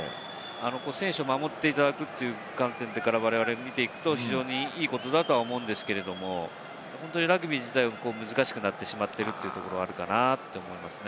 選手を守っていただくという観点からわれわれ見ていくと、非常にいいことだと思うんですけど、ラグビー自体が難しくなってしまっているのはあるかなと思いますね。